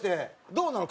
どうなの？